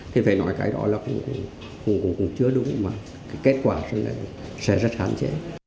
thì phải nói cái đó là cũng chưa đúng mà kết quả sẽ rất hạn chế